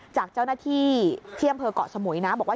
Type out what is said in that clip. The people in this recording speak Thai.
จากเจ้าหน้าที่เที่ยมเผอกาสมุยบอกว่า